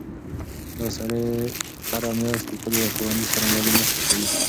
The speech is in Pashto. دا سړی هره میاشت د کلي له ښوونځي سره مالي مرسته کوي.